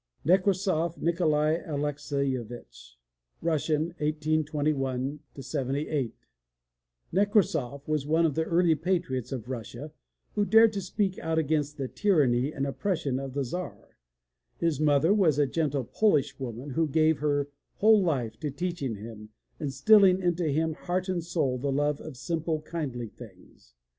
NEKRASSOV, NIKOLAI ALEXEIEVITCH (Russian, 1821 78) Nekrassov was one of the early patriots of Russia who dared to speak out against the tyranny and oppression of the Czar. His mother was a gentle Polish woman who gave her whole life to teaching him, instilling into him, heart and soul, the love of simple, kindly things.